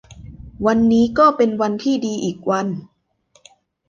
วันนี้ก็เป็นวันที่ดีอีกวัน